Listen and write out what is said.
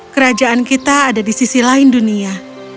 kerajaan kita ada di sisi lain dunia